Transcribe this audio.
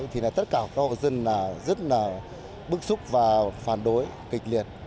thì là tất cả các hộ dân rất là bức xúc và phản đối kịch liệt